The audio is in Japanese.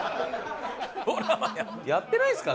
やってないんですか？